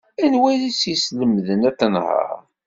Anwa ay as-yeslemden ad tenheṛ?